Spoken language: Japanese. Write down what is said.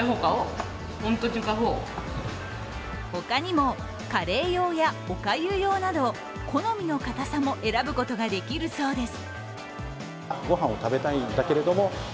他にもカレー用やおかゆ用など好みの硬さも選ぶことができるそうです。